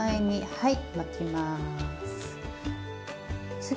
はい。